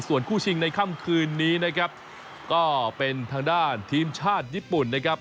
ส่วนคู่ชิงในค่ำคืนนี้นะครับก็เป็นทางด้านทีมชาติญี่ปุ่นนะครับ